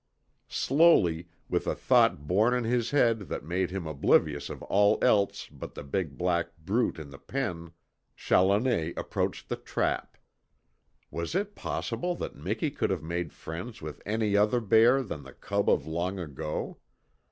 Slowly, with a thought born in his head that made him oblivious of all else but the big black brute in the pen, Challoner approached the trap. Was it possible that Miki could have made friends with any other bear than the cub of long ago?